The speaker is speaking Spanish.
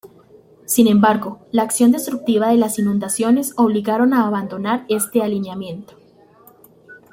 Sin embargo, la acción destructiva de las inundaciones obligaron a abandonar este alineamiento.